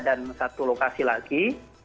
dan satu lokasi lagi